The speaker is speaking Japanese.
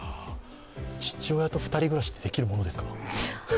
父親と２人暮らしってできるものですか？